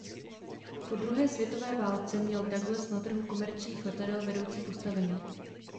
Po druhé světové válce měl Douglas na trhu komerčních letadel vedoucí postavení.